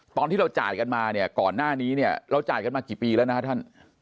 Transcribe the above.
ตอนที่เราจ่ายกันมาผมรับผิดนี้ตั้งแต่สามปีแล้วนะครับ